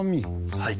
はい。